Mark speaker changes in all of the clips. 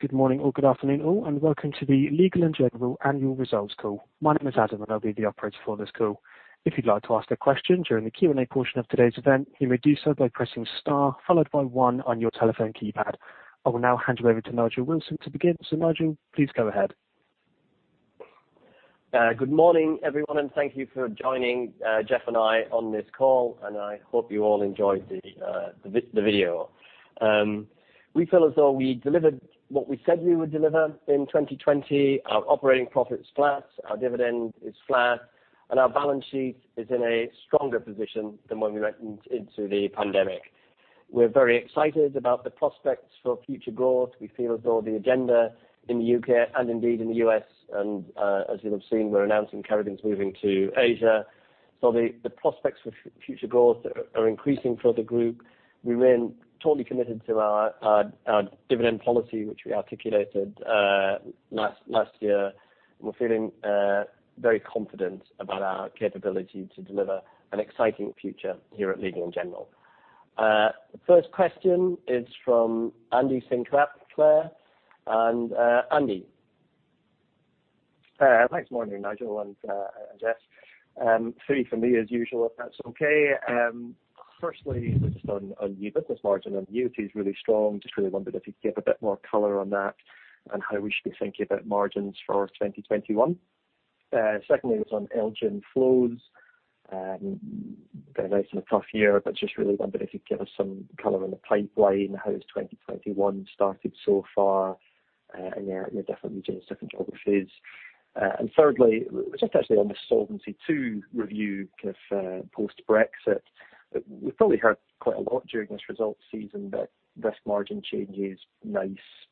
Speaker 1: Good morning or good afternoon all, and welcome to the Legal & General Annual Results Call. My name is Adam, and I'll be the operator for this call. If you'd like to ask a question during the Q&A portion of today's event, you may do so by pressing star followed by one on your telephone keypad. I will now hand you over to Nigel Wilson to begin. So, Nigel, please go ahead.
Speaker 2: Good morning, everyone, and thank you for joining Jeff and I on this call, and I hope you all enjoyed the video. We feel as though we delivered what we said we would deliver in 2020. Our operating profit is flat, our dividend is flat, and our balance sheet is in a stronger position than when we went into the pandemic. We're very excited about the prospects for future growth. We feel as though the agenda in the U.K. and indeed in the U.S., and as you'll have seen, we're announcing Kerrigan is moving to Asia. The prospects for future growth are increasing for the group. We remain totally committed to our dividend policy, which we articulated last year, and we're feeling very confident about our capability to deliver an exciting future here at Legal & General. The first question is from Andy Sinclair, and Andy.
Speaker 3: Thanks morning, Nigel and Jeff. Three for me as usual, if that's okay. Firstly, it was just on new business margin, and the annuity is really strong. Just really wondered if you could give a bit more color on that and how we should be thinking about margins for 2021. Secondly, it was on LGIM flows. Very nice and a tough year, but just really wondered if you could give us some color on the pipeline, how has 2021 started so far, and your different regions, different geographies. And thirdly, just actually on the Solvency II review, kind of post-Brexit. We've probably heard quite a lot during this results season that risk margin change is nice,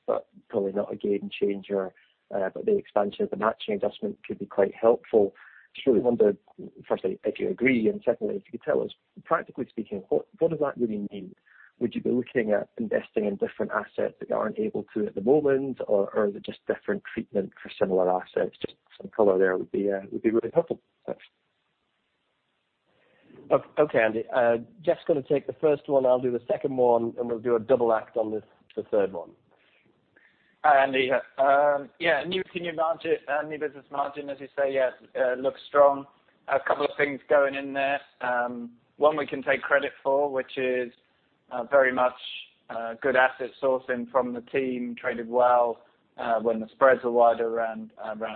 Speaker 3: but probably not a game changer. But the expansion of the matching investment could be quite helpful. Just really wondered, firstly, if you agree, and secondly, if you could tell us, practically speaking, what does that really mean? Would you be looking at investing in different assets that you aren't able to at the moment, or is it just different treatment for similar assets? Just some color there would be really helpful.
Speaker 2: Okay, Andy. Jeff's going to take the first one, I'll do the second one, and we'll do a double act on the third one. Hi, Andy. Yeah, new beginning margin, new business margin, as you say, yeah, looks strong. A couple of things going in there. One we can take credit for, which is very much good asset sourcing from the team, traded well when the spreads are wider around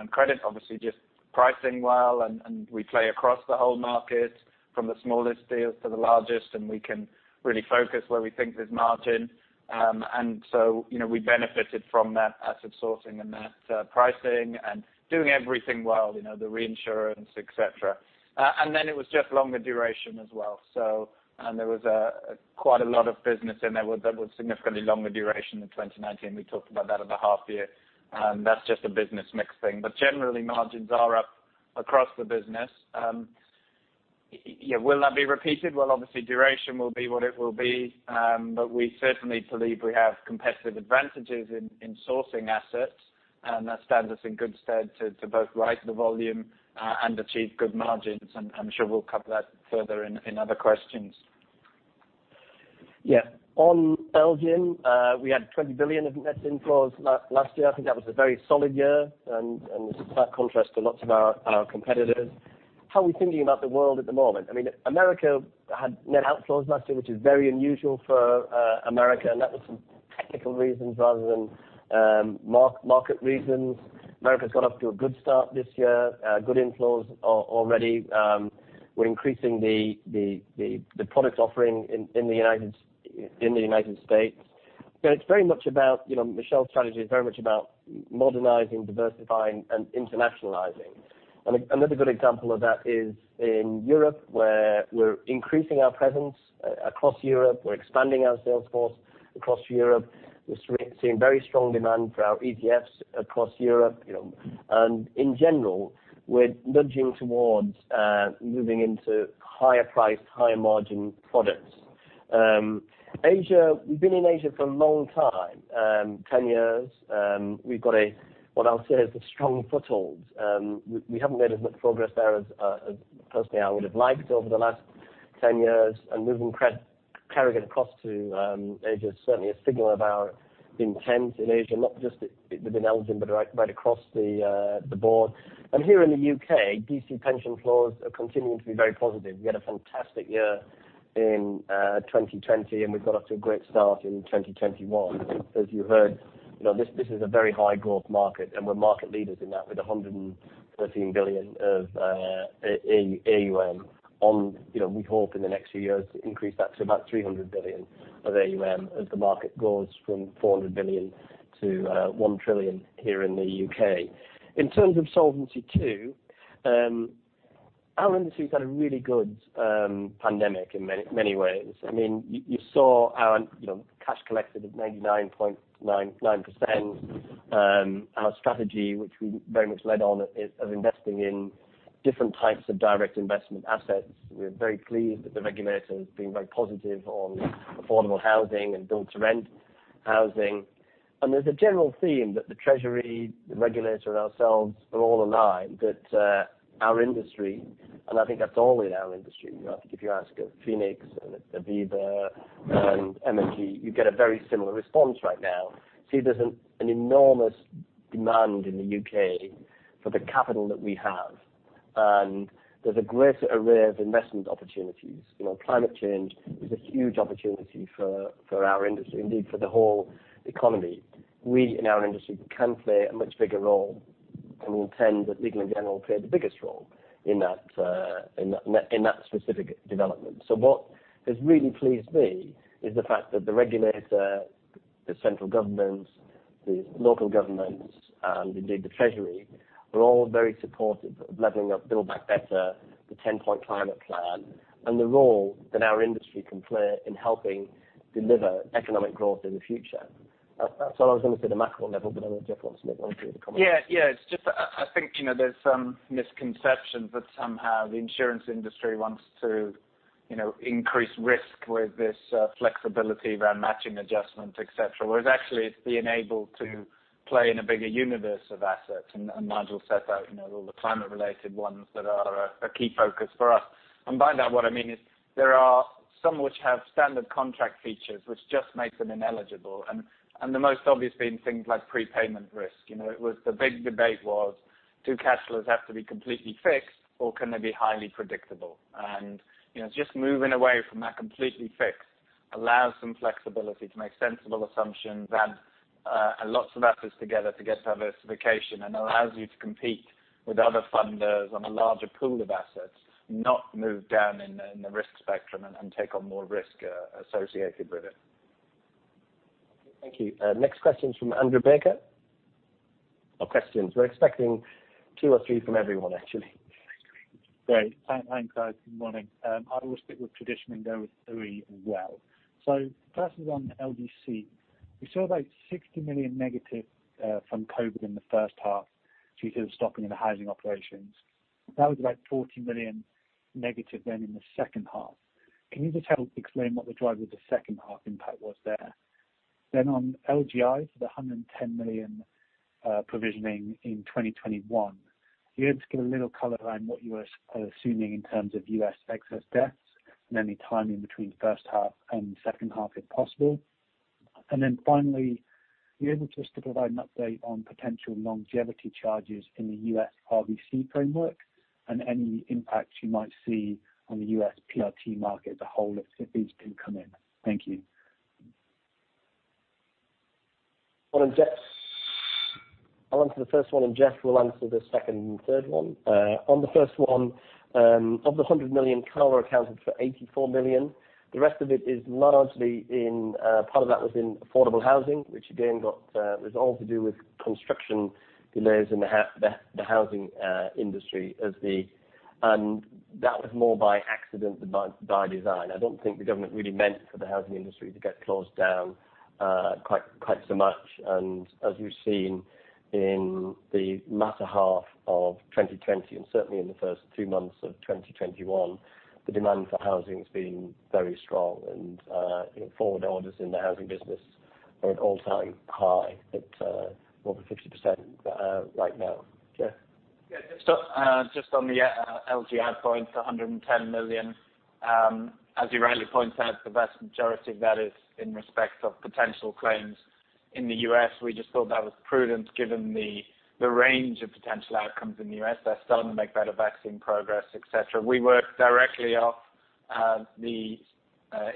Speaker 2: credit. Obviously, just pricing well, and we play across the whole market from the smallest deals to the largest, and we can really focus where we think there's margin. And so, we benefited from that asset sourcing and that pricing and doing everything well, the reinsurance, etc. And then it was just longer duration as well. So, there was quite a lot of business in there that was significantly longer duration than 2019. We talked about that at the half year. That's just a business mix thing. But generally, margins are up across the business. Yeah, will that be repeated? Well, obviously, duration will be what it will be, but we certainly believe we have competitive advantages in sourcing assets, and that stands us in good stead to both rise the volume and achieve good margins. And I'm sure we'll cover that further in other questions. Yeah, on LGIM, we had 20 billion of net inflows last year. I think that was a very solid year, and it's a slight contrast to lots of our competitors. How are we thinking about the world at the moment? I mean, America had net outflows last year, which is very unusual for America, and that was some technical reasons rather than market reasons. America's got off to a good start this year, good inflows already. We're increasing the product offering in the United States. Again, it's very much about, Michelle's strategy is very much about modernizing, diversifying, and internationalizing. Another good example of that is in Europe, where we're increasing our presence across Europe. We're expanding our sales force across Europe. We're seeing very strong demand for our ETFs across Europe. And in general, we're nudging towards moving into higher priced, higher margin products. Asia, we've been in Asia for a long time, 10 years. We've got what I'll say is a strong foothold. We haven't made as much progress there as personally I would have liked over the last 10 years. And moving carrying it across to Asia is certainly a signal of our intent in Asia, not just within LGIM, but right across the board. And here in the U.K., DC pension flows are continuing to be very positive. We had a fantastic year in 2020, and we've got off to a great start in 2021. As you heard, this is a very high growth market, and we're market leaders in that with 113 billion of AUM on, we hope, in the next few years to increase that to about 300 billion of AUM as the market grows from 400 billion to 1 trillion here in the U.K.. In terms of Solvency II, our industry's had a really good pandemic in many ways. I mean, you saw our cash collected at 99.99%. Our strategy, which we very much led on, is investing in different types of direct investment assets. We're very pleased that the regulator has been very positive on affordable housing and build-to-rent housing. And there's a general theme that the Treasury, the regulator, and ourselves are all aligned, that our industry, and I think that's all in our industry. I think if you ask of Phoenix and Aviva and M&G, you get a very similar response right now. See, there's an enormous demand in the U.K. for the capital that we have, and there's a greater array of investment opportunities. Climate change is a huge opportunity for our industry, indeed for the whole economy. We in our industry can play a much bigger role, and we intend that Legal & General will play the biggest role in that specific development. So what has really pleased me is the fact that the regulator, the central governments, the local governments, and indeed the Treasury are all very supportive of leveling up, building back better, the 10-point climate plan, and the role that our industry can play in helping deliver economic growth in the future. That's all I was going to say at a macro level, but I know Jeff wants to make one or two of the comments.
Speaker 4: Yeah, yeah, it's just that I think there's some misconception that somehow the insurance industry wants to increase risk with this flexibility around matching adjustment, etc., whereas actually it's being able to play in a bigger universe of assets. Nigel set out all the climate-related ones that are a key focus for us. By that, what I mean is there are some which have standard contract features, which just makes them ineligible, and the most obvious being things like prepayment risk. The big debate was, do cash flows have to be completely fixed, or can they be highly predictable? And just moving away from that completely fixed allows some flexibility to make sensible assumptions and lots of assets together to get diversification and allows you to compete with other funders on a larger pool of assets, not move down in the risk spectrum and take on more risk associated with it.
Speaker 2: Thank you. Next question's from Andrew Baker. No questions. We're expecting two or three from everyone, actually.
Speaker 5: Great. Thanks, guys. Good morning. I will stick with tradition and go with three as well. So first is on LGC. We saw about 60 million negative from COVID in the first half due to the stopping in the housing operations. That was about 40 million negative then in the second half. Can you just help explain what the driver of the second half impact was there? Then on LGI for the 110 million provisioning in 2021, you're able to give a little color on what you were assuming in terms of U.S. excess deaths and any timing between first half and second half, if possible? And then finally, you're able just to provide an update on potential longevity charges in the U.S. RBC framework and any impact you might see on the U.S. PRT market as a whole if these do come in. Thank you.
Speaker 2: One on Jeff. I'll answer the first one, and Jeff will answer the second and third one. On the first one, of the 100 million CALA accounted for 84 million, the rest of it is largely in part of that was in affordable housing, which again got resolved to do with construction delays in the housing industry, and that was more by accident than by design. I don't think the government really meant for the housing industry to get closed down quite so much. And as you've seen in the latter half of 2020 and certainly in the first two months of 2021, the demand for housing has been very strong, and forward orders in the housing business are at all-time high at more than 50% right now. Jeff?
Speaker 4: Yeah, just on the LGI point, the 110 million, as you rightly point out, the vast majority of that is in respect of potential claims in the US. We just thought that was prudent given the range of potential outcomes in the US. They're starting to make better vaccine progress, etc. We work directly off the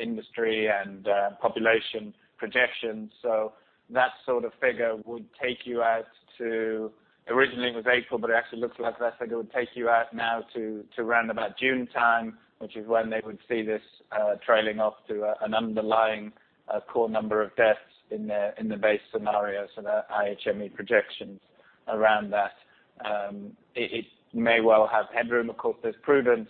Speaker 4: industry and population projections, so that sort of figure would take you out to originally it was April, but it actually looks like that figure would take you out now to around about June time, which is when they would see this trailing off to an underlying core number of deaths in the base scenario, so the IHME projections around that. It may well have headroom. Of course, there's prudence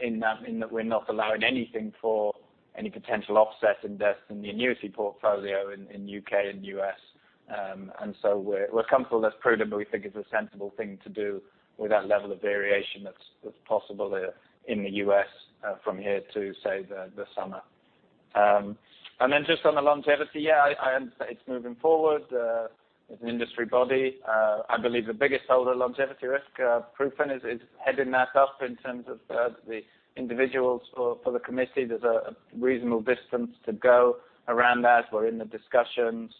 Speaker 4: in that we're not allowing anything for any potential offset in deaths in the annuity portfolio in U.K. and U.S.. And so we're comfortable that's prudent, but we think it's a sensible thing to do with that level of variation that's possible in the U.S. from here to, say, the summer. And then just on the longevity, yeah, I understand it's moving forward. It's an industry body. I believe the biggest holder, longevity risk, PRUFIN, is heading that up in terms of the individuals for the committee. There's a reasonable distance to go around that. We're in the discussions.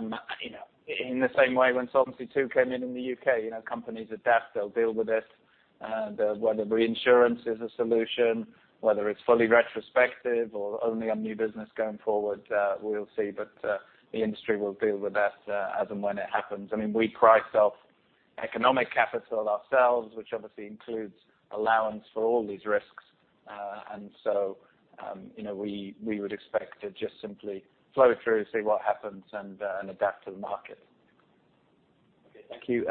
Speaker 4: In the same way, when Solvency II came in in the U.K., companies adapt. They'll deal with it, whether reinsurance is a solution, whether it's fully retrospective or only on new business going forward, we'll see. But the industry will deal with that as and when it happens. I mean, we price off economic capital ourselves, which obviously includes allowance for all these risks. And so we would expect to just simply flow through, see what happens, and adapt to the market.
Speaker 2: Okay, thank you.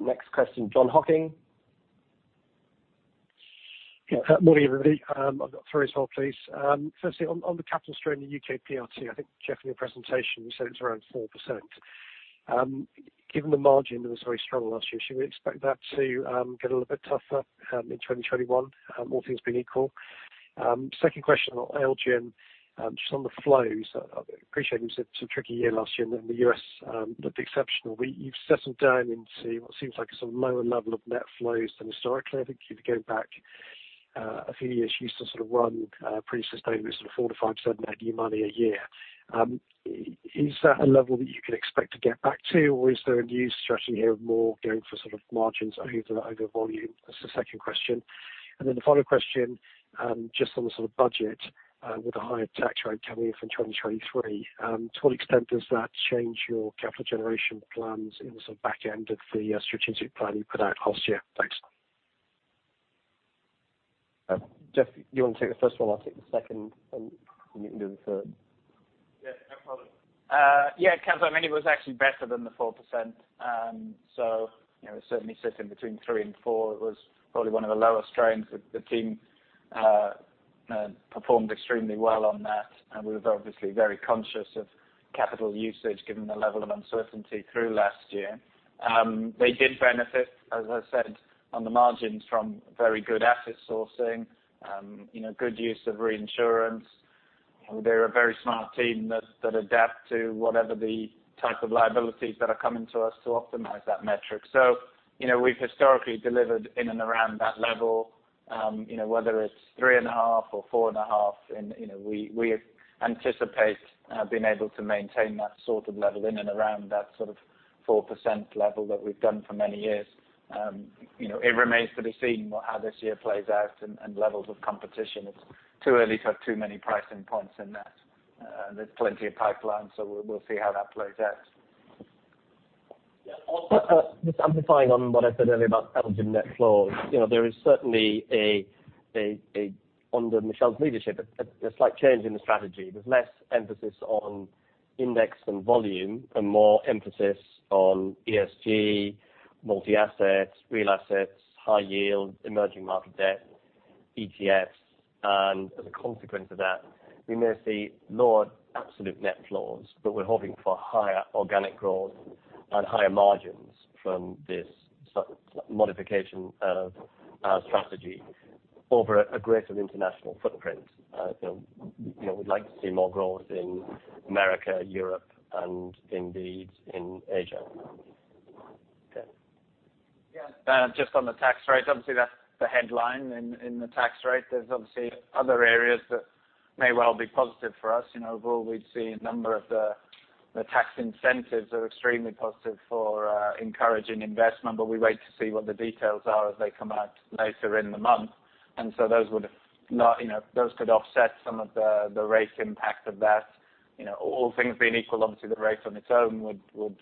Speaker 2: Next question, John Hocking.
Speaker 6: Yeah, morning, everybody. I've got three as well, please. Firstly, on the capital strain in the U.K. PRT, I think Jeff, in your presentation, you said it's around 4%. Given the margin that was very strong last year, should we expect that to get a little bit tougher in 2021? All things being equal. Second question on LGIM. Just on the flows, I appreciate it was a tricky year last year, and the U.S. looked exceptional. You've settled down into what seems like a sort of lower level of net flows than historically. I think if you go back a few years, you used to sort of run pretty sustainably, sort of 4%-5%, net, new money a year. Is that a level that you can expect to get back to, or is there a new strategy here of more going for sort of margins over volume? That's the second question. And then the final question, just on the sort of budget, with a higher tax rate coming in from 2023, to what extent does that change your capital generation plans in the sort of back end of the strategic plan you put out last year? Thanks.
Speaker 2: Jeff, you want to take the first one? I'll take the second, and you can do the third.
Speaker 4: Yeah, no problem. Yeah, it comes up. I mean, it was actually better than the 4%. So it certainly sits in between three and four. It was probably one of the lower strains. The team performed extremely well on that, and we were obviously very conscious of capital usage given the level of uncertainty through last year. They did benefit, as I said, on the margins from very good asset sourcing, good use of reinsurance. They're a very smart team that adapt to whatever the type of liabilities that are coming to us to optimize that metric. So we've historically delivered in and around that level, whether it's three and a half or four and a half. We anticipate being able to maintain that sort of level in and around that sort of 4% level that we've done for many years. It remains to be seen how this year plays out and levels of competition. It's too early to have too many pricing points in that. There's plenty of pipelines, so we'll see how that plays out.
Speaker 2: Just amplifying on what I said earlier about LGIM net flows, there is certainly, under Michelle's leadership, a slight change in the strategy. There's less emphasis on index and volume and more emphasis on ESG, multi-assets, real assets, high yield, emerging market debt, ETFs. And as a consequence of that, we may see lower absolute net flows, but we're hoping for higher organic growth and higher margins from this modification of our strategy over a greater international footprint. We'd like to see more growth in America, Europe, and indeed in Asia. Okay.
Speaker 4: Yeah, just on the tax rate, obviously that's the headline in the tax rate. There's obviously other areas that may well be positive for us. Overall, we'd see a number of the tax incentives that are extremely positive for encouraging investment, but we wait to see what the details are as they come out later in the month. And so those could offset some of the rate impact of that. All things being equal, obviously the rate on its own would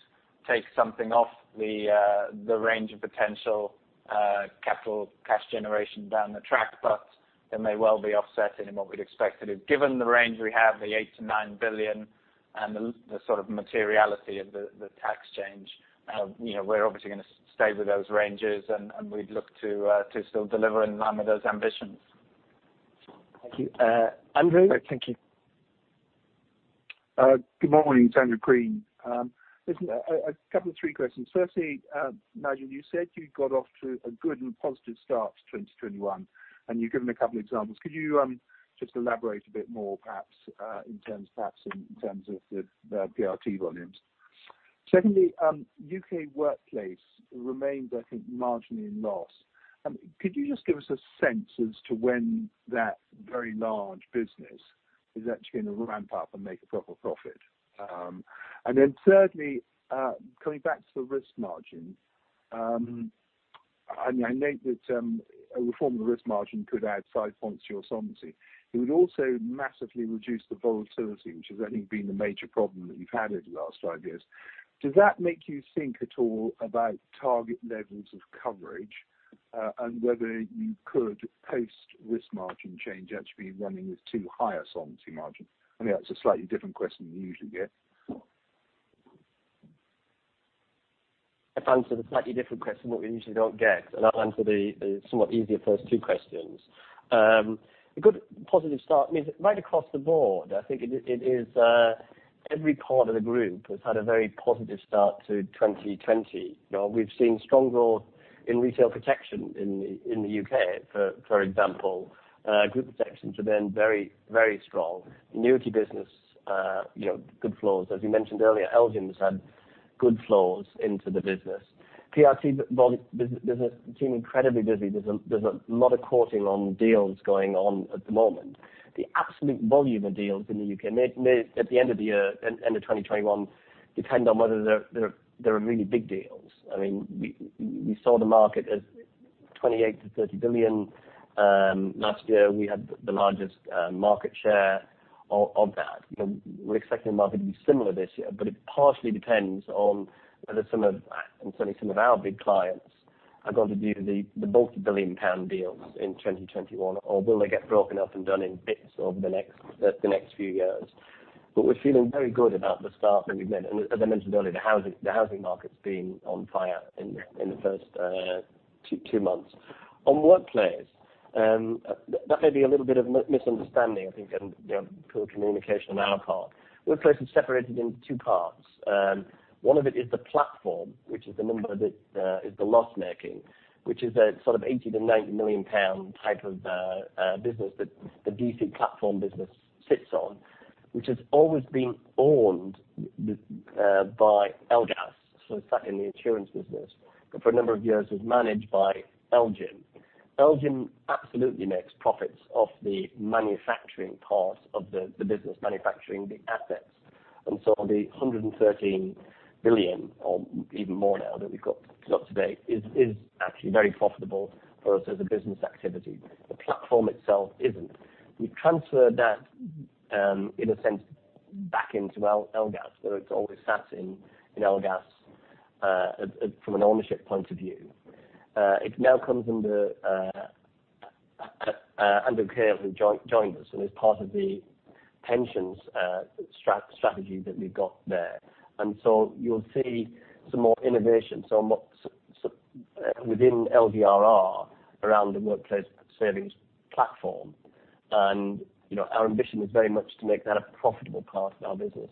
Speaker 4: take something off the range of potential capital cash generation down the track, but there may well be offsetting in what we'd expected. Given the range we have, the 8 billion-9 billion and the sort of materiality of the tax change, we're obviously going to stay with those ranges, and we'd look to still deliver in line with those ambitions.
Speaker 2: Thank you. Andrew.
Speaker 6: Thank you.
Speaker 7: Good morning, Andrew Crean. Listen, a couple of three questions. Firstly, Nigel, you said you got off to a good and positive start to 2021, and you've given a couple of examples. Could you just elaborate a bit more, perhaps, in terms of perhaps in terms of the PRT volumes? Secondly, U.K. workplace remains, I think, marginally in loss. Could you just give us a sense as to when that very large business is actually going to ramp up and make a proper profit? And then thirdly, coming back to the risk margin, I mean, I note that a reform of the risk margin could add five points to your solvency. It would also massively reduce the volatility, which has I think been the major problem that you've had over the last five years. Does that make you think at all about target levels of coverage and whether you could post risk margin change actually be running with two higher solvency margins? I mean, that's a slightly different question than you usually get.
Speaker 2: I've answered a slightly different question than what we usually don't get, and I'll answer the somewhat easier first two questions. A good positive start, I mean, right across the board, I think it is every part of the group has had a very positive start to 2020. We've seen strong growth in retail protection in the U.K., for example. Group protections have been very, very strong. Annuity business, good flows. As you mentioned earlier, LGIM has had good flows into the business. PRT business, the team incredibly busy. There's a lot of courting on deals going on at the moment. The absolute volume of deals in the U.K. may, at the end of the year, end of 2021, depend on whether they're really big deals. I mean, we saw the market as 28 billion-30 billion. Last year, we had the largest market share of that. We're expecting the market to be similar this year, but it partially depends on whether some of, and certainly some of our big clients, are going to do the multi-billion pound deals in 2021, or will they get broken up and done in bits over the next few years? But we're feeling very good about the start that we've made. And as I mentioned earlier, the housing market's been on fire in the first two months. On workplace, that may be a little bit of misunderstanding, I think, and poor communication on our part. Workplace is separated into two parts. One of it is the platform, which is the number that is the loss-making, which is a sort of 80 million-90 million pound type of business that the DC platform business sits on, which has always been owned by LGAS, so it's sat in the insurance business, but for a number of years was managed by LGIM. LGIM absolutely makes profits off the manufacturing part of the business, manufacturing the assets. And so the 113 million, or even more now that we've got up to date, is actually very profitable for us as a business activity. The platform itself isn't. We've transferred that, in a sense, back into LGAS, though it's always sat in LGAS from an ownership point of view. It now comes under care who joined us and is part of the pensions strategy that we've got there. And so you'll see some more innovation within LGRR around the workplace savings platform. And our ambition is very much to make that a profitable part of our business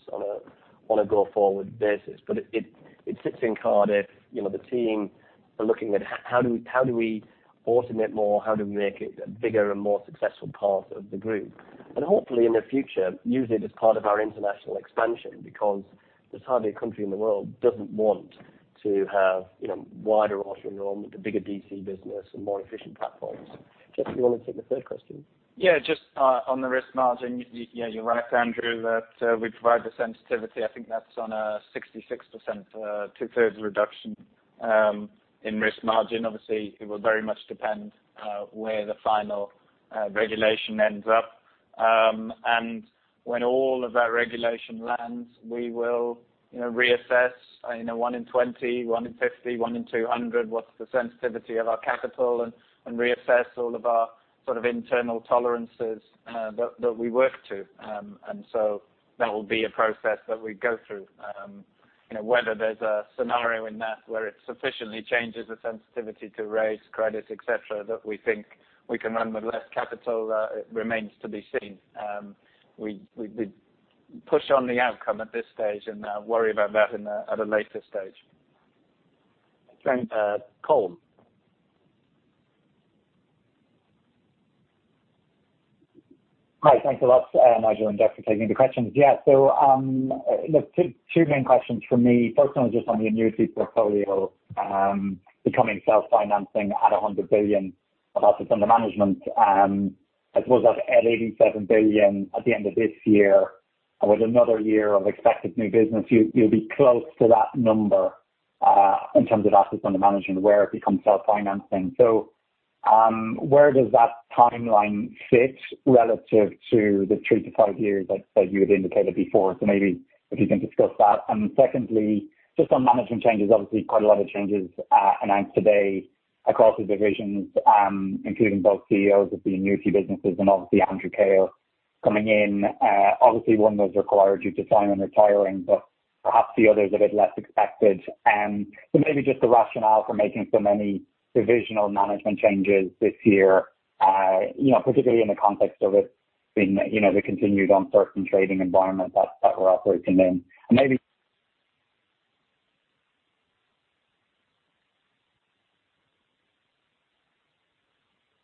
Speaker 2: on a go-forward basis. But it sits in card if the team are looking at how do we automate more, how do we make it a bigger and more successful part of the group. And hopefully in the future, use it as part of our international expansion because there's hardly a country in the world that doesn't want to have wider auto enrollment, a bigger DC business, and more efficient platforms. Jeff, do you want to take the third question?
Speaker 4: Yeah, just on the risk margin, yeah, you're right, Andrew, that we provide the sensitivity. I think that's on a 66%, two-thirds reduction in risk margin. Obviously, it will very much depend where the final regulation ends up. And when all of that regulation lands, we will reassess one in 20, one in 50, one in 200, what's the sensitivity of our capital, and reassess all of our sort of internal tolerances that we work to. And so that will be a process that we go through. Whether there's a scenario in that where it sufficiently changes the sensitivity to raise credits, etc., that we think we can run with less capital, it remains to be seen. We push on the outcome at this stage and worry about that at a later stage.
Speaker 7: Thanks.
Speaker 2: Colm. Hi, thanks a lot, Nigel and Jeff for taking the questions. Yeah, so two main questions for me. First one is just on the annuity portfolio becoming self-financing at 100 billion of assets under management. I suppose that's at 87 billion at the end of this year. With another year of expected new business, you'll be close to that number in terms of assets under management where it becomes self-financing. So where does that timeline fit relative to the three to five years that you had indicated before? So maybe if you can discuss that. And secondly, just on management changes, obviously quite a lot of changes announced today across the divisions, including both CEOs of the annuity businesses and obviously Andrew Kail coming in. Obviously, one was required due to Simon retiring, but perhaps the other is a bit less expected. So maybe just the rationale for making so many divisional management changes this year, particularly in the context of it being the continued uncertain trading environment that we're operating in. And maybe.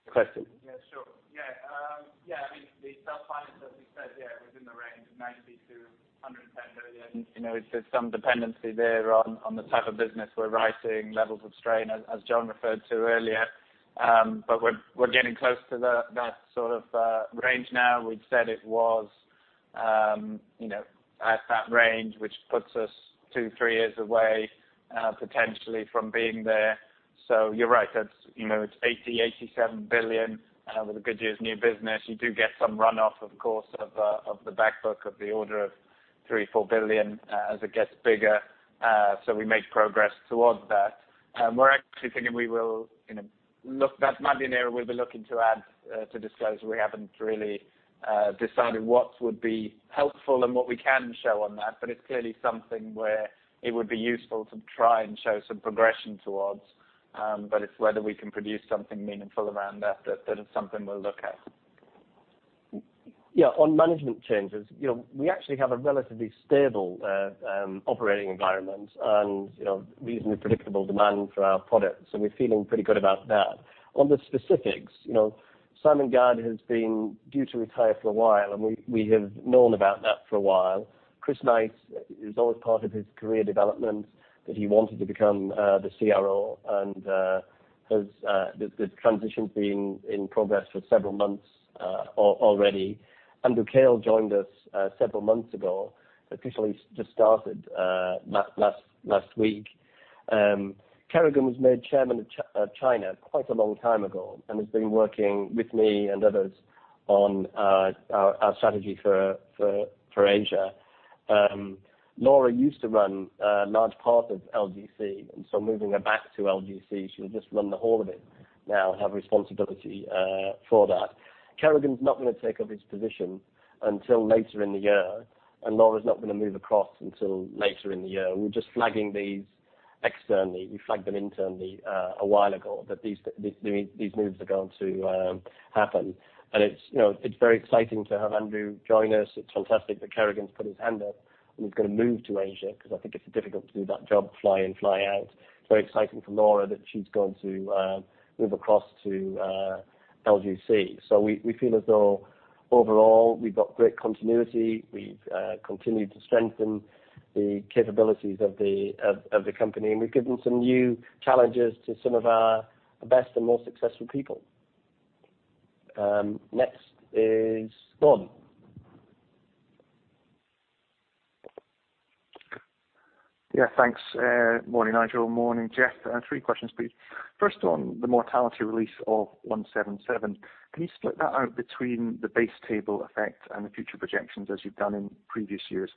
Speaker 2: Question.
Speaker 4: Yeah, sure. Yeah, yeah, I mean, the self-finance, as we said, yeah, within the range of GBP 90 billion-GBP 110 billion. You know, there's some dependency there on the type of business we're writing, levels of strain, as John referred to earlier. But we're getting close to that sort of range now. We'd said it was at that range, which puts us two, three years away potentially from being there. So you're right, it's 80 billion, 87 billion with a good year's new business. You do get some run-off, of course, of the backbook of the order of 3 billion, 4 billion as it gets bigger. So we make progress towards that. We're actually thinking we will look that money in the area. We'll be looking to add to disclosure. We haven't really decided what would be helpful and what we can show on that, but it's clearly something where it would be useful to try and show some progression towards. But it's whether we can produce something meaningful around that that is something we'll look at.
Speaker 2: Yeah, on management changes, we actually have a relatively stable operating environment and reasonably predictable demand for our product. So we're feeling pretty good about that. On the specifics, Simon Gadd has been due to retire for a while, and we have known about that for a while. Chris Knight is always part of his career development that he wanted to become the CRO, and the transition's been in progress for several months already. Andrew Kail joined us several months ago. Officially just started last week. Kerrigan was made chairman of China quite a long time ago and has been working with me and others on our strategy for Asia. Laura used to run a large part of LGC, and so moving her back to LGC, she'll just run the whole of it now and have responsibility for that. Kerrigan's not going to take up his position until later in the year, and Laura's not going to move across until later in the year. We're just flagging these externally. We flagged them internally a while ago that these moves are going to happen. And it's very exciting to have Andrew join us. It's fantastic that Kerrigan's put his hand up and he's going to move to Asia because I think it's difficult to do that job, fly in, fly out. It's very exciting for Laura that she's going to move across to LGC. So we feel as though overall we've got great continuity. We've continued to strengthen the capabilities of the company, and we've given some new challenges to some of our best and most successful people. Next is Gordon. Yeah, thanks. Morning, Nigel. Morning, Jeff. Three questions, please. First one, the mortality release of 177. Can you split that out between the base table effect and the future projections as you've done in previous years?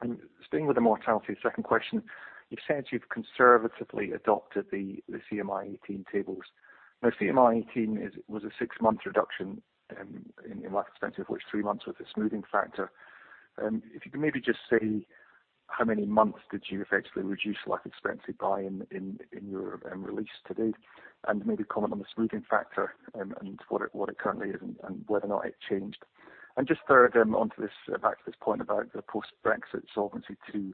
Speaker 2: And staying with the mortality, second question, you've said you've conservatively adopted the CMI 18 tables. Now, CMI 18 was a six-month reduction in life expectancy, of which three months was a smoothing factor. If you could maybe just say how many months did you effectively reduce life expectancy by in your release today? And maybe comment on the smoothing factor and what it currently is and whether or not it changed. And just third, back to this point about the post-Brexit solvency to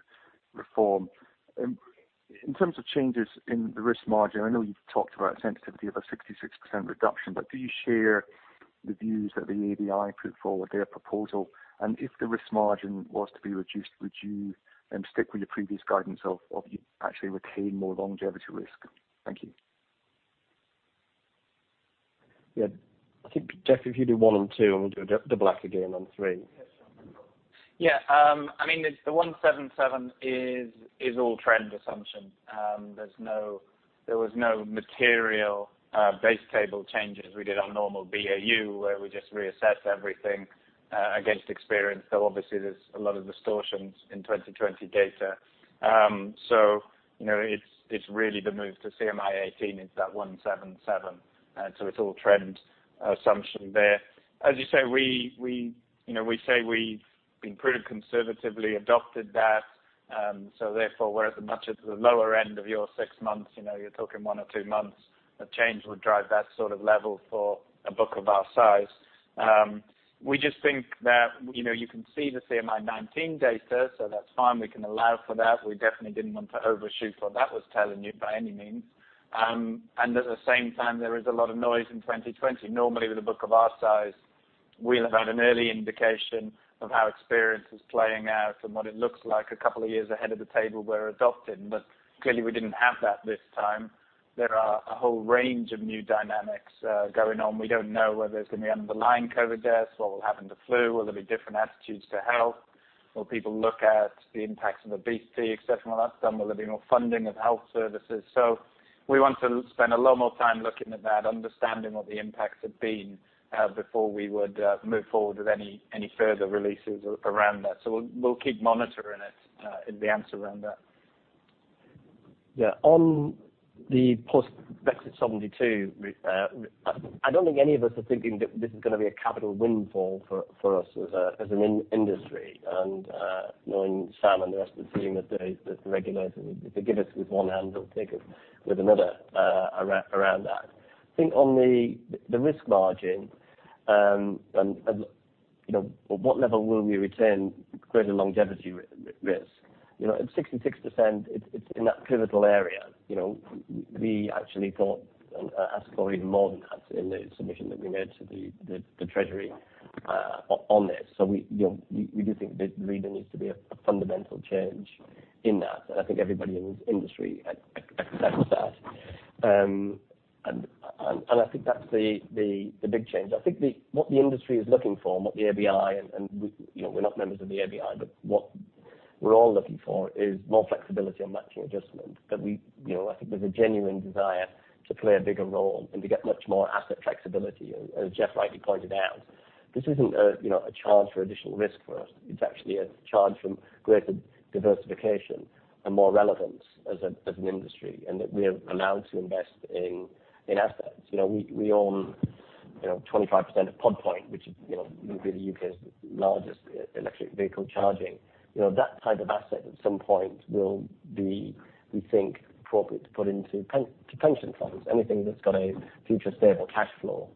Speaker 2: reform. In terms of changes in the risk margin, I know you've talked about a sensitivity of a 66% reduction, but do you share the views that the ABI put forward, their proposal? And if the risk margin was to be reduced, would you stick with your previous guidance of actually retain more longevity risk? Thank you. Yeah, I think, Jeff, if you do one and two, and we'll do a double-act again on three.
Speaker 4: Yeah, I mean, the 177 is all trend assumption. There was no material base table changes. We did our normal BAU where we just reassess everything against experience. Though obviously there's a lot of distortions in 2020 data. So it's really the move to CMI 18 is that 177. So it's all trend assumption there. As you say, we say we've been pretty conservatively adopted that. So therefore we're at the lower end of your six months. You're talking one or two months of change would drive that sort of level for a book of our size. We just think that you can see the CMI 19 data, so that's fine. We can allow for that. We definitely didn't want to overshoot what that was telling you by any means. And at the same time, there is a lot of noise in 2020. Normally with a book of our size, we'll have had an early indication of how experience is playing out and what it looks like a couple of years ahead of the table we're adopting. But clearly we didn't have that this time. There are a whole range of new dynamics going on. We don't know whether it's going to be under the lying COVID deaths, what will happen to flu, will there be different attitudes to health, will people look at the impacts of obesity, etc. When that's done, will there be more funding of health services? So we want to spend a lot more time looking at that, understanding what the impacts have been before we would move forward with any further releases around that. So we'll keep monitoring it, the answer around that.
Speaker 2: Yeah, on the post-Brexit Solvency II, I don't think any of us are thinking that this is going to be a capital windfall for us as an industry. And knowing Simon and the rest of the team that the regulator, if they give us with one hand, they'll take us with another around that. I think on the risk margin and what level will we return greater longevity risk? At 66%, it's in that pivotal area. We actually thought, and I suppose even more than that, in the submission that we made to the Treasury on this. So we do think the reader needs to be a fundamental change in that. And I think everybody in this industry accepts that. And I think that's the big change. I think what the industry is looking for and what the ABI, and we're not members of the ABI, but what we're all looking for is more flexibility on matching adjustment. But I think there's a genuine desire to play a bigger role and to get much more asset flexibility. As Jeff rightly pointed out, this isn't a charge for additional risk for us. It's actually a charge from greater diversification and more relevance as an industry and that we're allowed to invest in assets. We own 25% of Pod Point, which would be the U.K.'s largest electric vehicle charging. That type of asset at some point will be, we think, appropriate to put into pension funds. Anything that's got a future stable cash flow.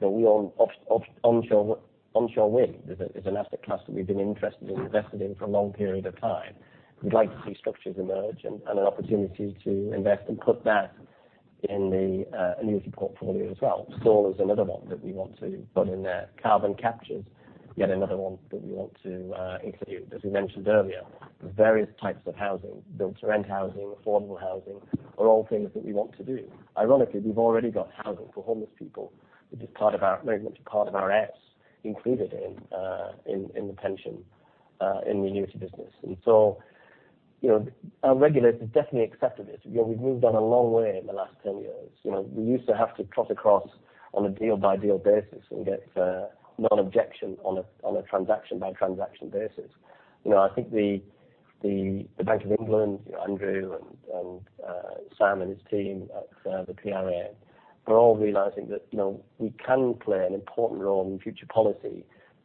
Speaker 2: We own onshore wind is an asset class that we've been interested in, invested in for a long period of time. We'd like to see structures emerge and an opportunity to invest and put that in the annuity portfolio as well. Solar is another one that we want to put in there. Carbon capture's yet another one that we want to include. As we mentioned earlier, there's various types of housing, built-to-rent housing, affordable housing, are all things that we want to do. Ironically, we've already got housing for homeless people, which is part of our movement, part of our S included in the pension in the annuity business. And so our regulators definitely accepted this. We've moved on a long way in the last 10 years. We used to have to cross across on a deal-by-deal basis and get non-objection on a transaction-by-transaction basis. I think the Bank of England, Andrew, and Sam and his team at the PRA are all realizing that we can play an important role in future policy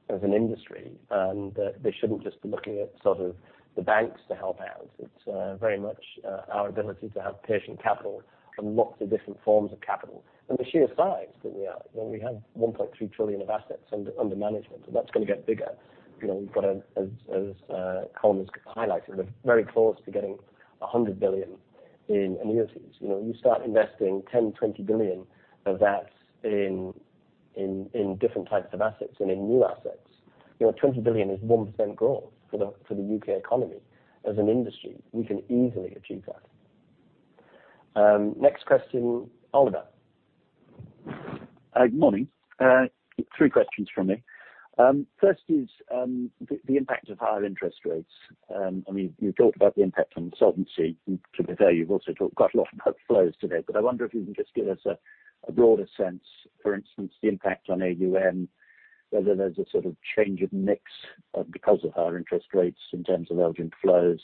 Speaker 2: as an industry and that they shouldn't just be looking at sort of the banks to help out. It's very much our ability to have patient capital from lots of different forms of capital. And the sheer size that we are, we have 1.3 trillion of assets under management and that's going to get bigger. We've got, as Colm was highlighting, we're very close to getting 100 billion in annuities. You start investing 10 billion, 20 billion of that in different types of assets and in new assets, 20 billion is 1% growth for the U.K. economy. As an industry, we can easily achieve that. Next question, Oliver.
Speaker 8: Morning. Three questions from me. First is the impact of higher interest rates. I mean, you've talked about the impact on solvency to the day. You've also talked quite a lot about flows today, but I wonder if you can just give us a broader sense, for instance, the impact on AUM, whether there's a sort of change of mix because of higher interest rates in terms of urgent flows,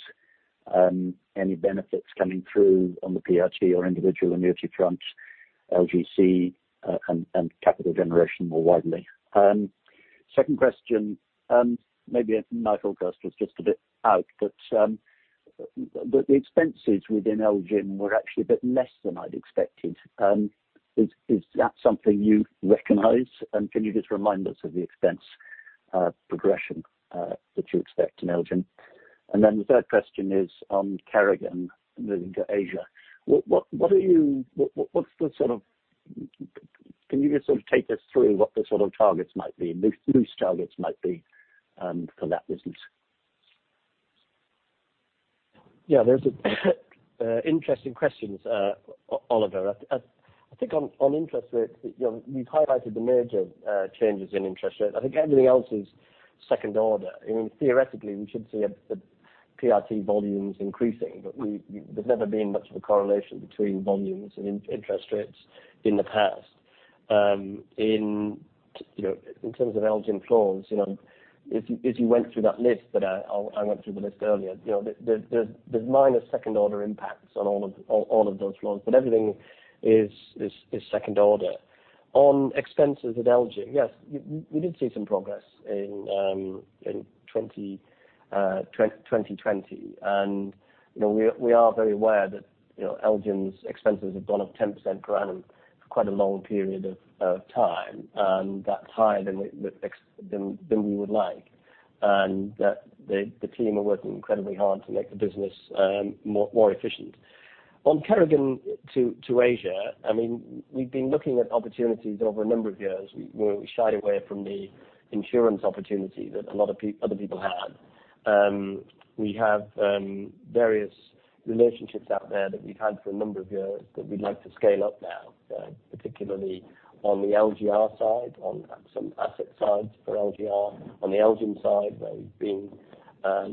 Speaker 8: any benefits coming through on the PRT or individual annuity front, LGC, and capital generation more widely. Second question, maybe my forecast was just a bit out, but the expenses within LGIM were actually a bit less than I'd expected. Is that something you recognize? And can you just remind us of the expense progression that you expect in LGIM? And then the third question is on Kerrigan moving to Asia. What are you, what's the sort of, can you just sort of take us through what the sort of targets might be, loose targets might be for that business?
Speaker 2: Yeah, there's interesting questions, Oliver. I think on interest rates, we've highlighted the major changes in interest rate. I think everything else is second order. I mean, theoretically, we should see the PRT volumes increasing, but there's never been much of a correlation between volumes and interest rates in the past. In terms of LGIM flows, as you went through that list that I went through the list earlier, there's minor second order impacts on all of those flaws, but everything is second order. On expenses at LGIM, yes, we did see some progress in 2020. And we are very aware that LGIM's expenses have gone up 10% per annum for quite a long period of time, and that's higher than we would like. And the team are working incredibly hard to make the business more efficient. On Kerrigan to Asia, I mean, we've been looking at opportunities over a number of years. We shied away from the insurance opportunity that a lot of other people had. We have various relationships out there that we've had for a number of years that we'd like to scale up now, particularly on the LGR side, on some asset sides for LGR. On the LGIM side, where we've been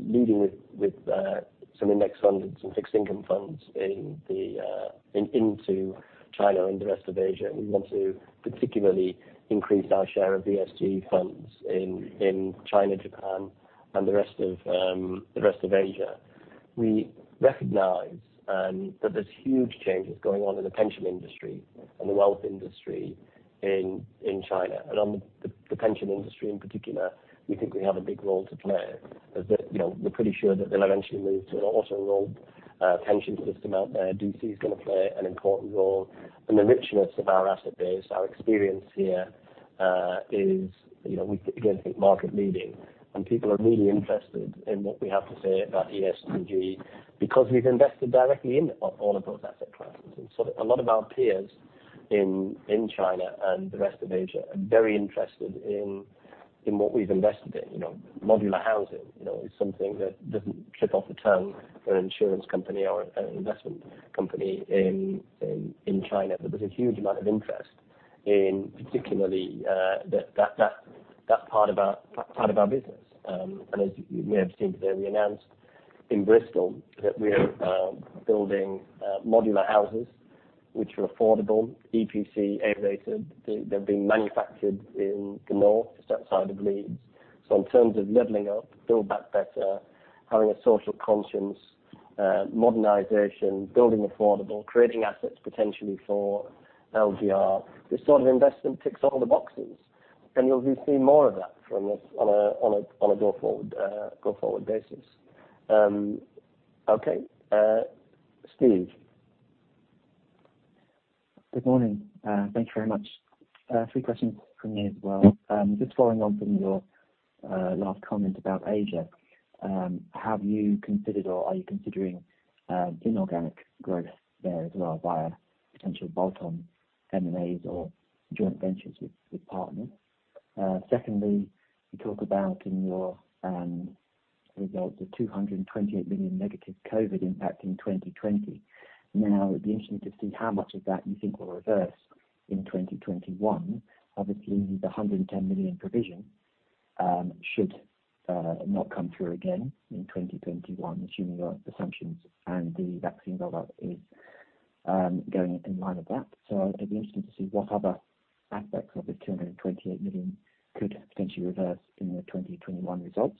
Speaker 2: leading with some index funds and some fixed income funds into China and the rest of Asia. We want to particularly increase our share of ESG funds in China, Japan, and the rest of Asia. We recognize that there's huge changes going on in the pension industry and the wealth industry in China. And on the pension industry in particular, we think we have a big role to play. We're pretty sure that they'll eventually move to an auto roll pension system out there. DC is going to play an important role. And the richness of our asset base, our experience here is, we again think market leading. And people are really interested in what we have to say about ESG because we've invested directly in all of those asset classes. And so a lot of our peers in China and the rest of Asia are very interested in what we've invested in. Modular housing is something that doesn't trip off the tongue for an insurance company or an investment company in China. But there's a huge amount of interest in particularly that part of our business. And as we have seen today, we announced in Bristol that we're building modular houses, which are affordable, EPC, A-rated. They've been manufactured in the north, just outside of Leeds. So in terms of leveling up, build back better, having a social conscience, modernization, building affordable, creating assets potentially for LGR, this sort of investment ticks all the boxes. And we'll be seeing more of that from us on a go forward basis. Okay, Steve.
Speaker 9: Good morning. Thanks very much. Three questions from me as well. Just following on from your last comment about Asia, have you considered or are you considering inorganic growth there as well via potential bolt-on M&As or joint ventures with partners? Secondly, you talk about in your results of 228 million negative COVID impact in 2020. Now, it'd be interesting to see how much of that you think will reverse in 2021. Obviously, the 110 million provision should not come through again in 2021, assuming your assumptions and the vaccine rollout is going in line with that. So it'd be interesting to see what other aspects of this 228 million could potentially reverse in the 2021 results.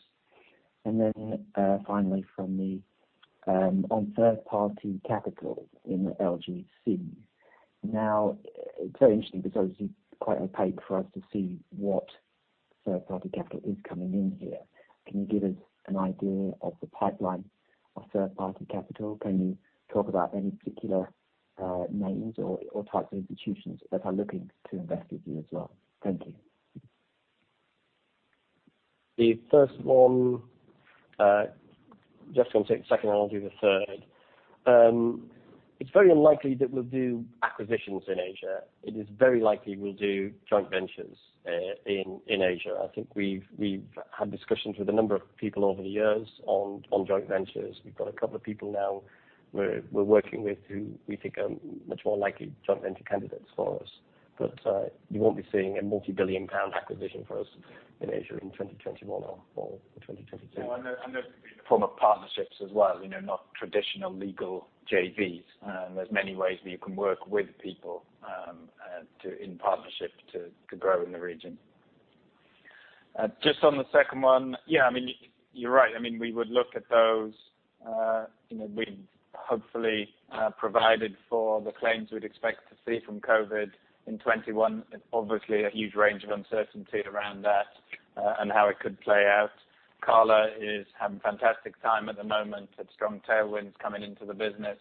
Speaker 9: And then finally, from the on third-party capital in the LGC. Now, it's very interesting because obviously it's quite opaque for us to see what third-party capital is coming in here. Can you give us an idea of the pipeline of third-party capital? Can you talk about any particular names or types of institutions that are looking to invest with you as well? Thank you.
Speaker 2: The first one, Jeff's going to take the second, and I'll do the third. It's very unlikely that we'll do acquisitions in Asia. It is very likely we'll do joint ventures in Asia. I think we've had discussions with a number of people over the years on joint ventures. We've got a couple of people now we're working with who we think are much more likely joint venture candidates for us. But you won't be seeing a multi-billion pound acquisition for us in Asia in 2021 or 2022.
Speaker 4: And those would be from partnerships as well, not traditional legal JVs. There's many ways that you can work with people in partnership to grow in the region. Just on the second one, yeah, I mean, you're right. I mean, we would look at those. We've hopefully provided for the claims we'd expect to see from COVID in 2021. Obviously, a huge range of uncertainty around that and how it could play out. CALA is having a fantastic time at the moment at Strong Tailwinds coming into the business.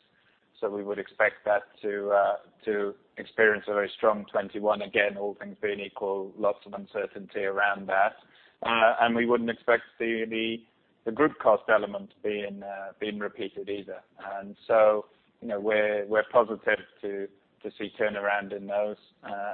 Speaker 4: So we would expect that to experience a very strong 2021 again, all things being equal, lots of uncertainty around that. And we wouldn't expect the group cost element being repeated either. And so we're positive to see turnaround in those.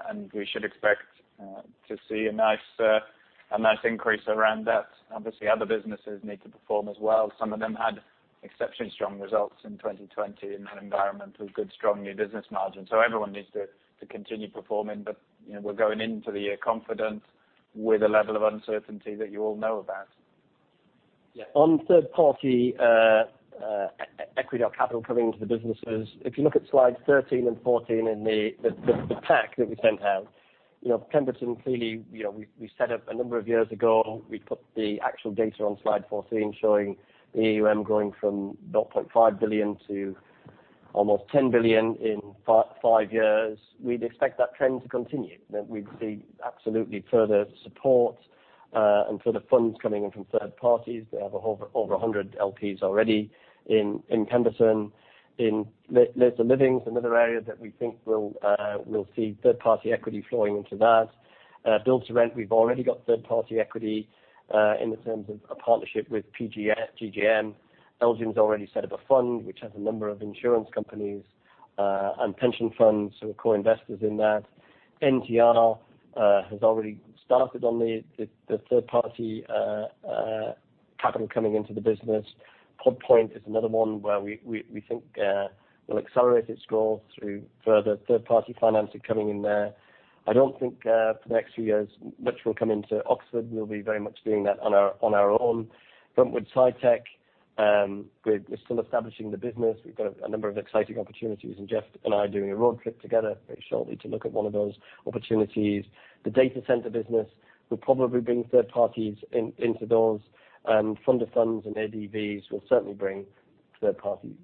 Speaker 4: And we should expect to see a nice increase around that. Obviously, other businesses need to perform as well. Some of them had exceptionally strong results in 2020 in that environment with good, strong new business margins. So everyone needs to continue performing. But we're going into the year confident with a level of uncertainty that you all know about.
Speaker 2: Yeah. On third-party equity or capital coming into the businesses, if you look at slides 13 and 14 in the pack that we sent out, Pemberton, clearly, we set up a number of years ago. We put the actual data on slide 14 showing the AUM growing from 0.5 billion to almost 10 billion in five years. We'd expect that trend to continue. We'd see absolutely further support and further funds coming in from third parties. They have over 100 LPs already in Pemberton. In later livings, another area that we think we'll see third-party equity flowing into that. Build-to-rent, we've already got third-party equity in the terms of a partnership with PGGM, LGIM's already set up a fund which has a number of insurance companies and pension funds, so we're co-investors in that. NTR has already started on the third-party capital coming into the business. Podpoint is another one where we think will accelerate its growth through further third-party financing coming in there. I don't think for the next few years much will come into Oxford. We'll be very much doing that on our own. Brentwood SciTech, we're still establishing the business. We've got a number of exciting opportunities and Jeff and I are doing a road trip together very shortly to look at one of those opportunities. The data center business will probably bring third parties into those. Fund of funds and ADVs will certainly bring third-party